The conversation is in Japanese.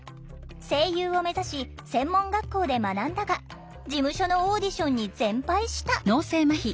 声優を目指し専門学校で学んだが事務所のオーディションに全敗した